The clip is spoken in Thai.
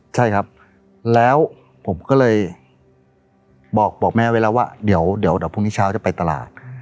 ใช่ครับแล้วผมก็เลยบอกแม่ไว้แล้วว่าเดี๋ยวพรุ่งนี้เช้าจะไปตลาด